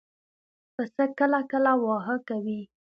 پسه کله کله واهه کوي.